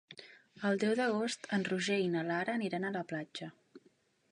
El deu d'agost en Roger i na Lara aniran a la platja.